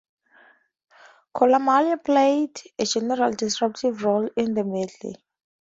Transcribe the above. Koulamallah played a generally disruptive role in the middle.